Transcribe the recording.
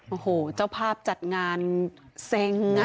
โอ้โหเจ้าภาพจัดงานเซ็ง